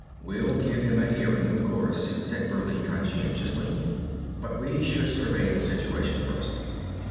"We'll give him a hearing, of course," said Burleigh conscientiously. "But we should survey the situation first."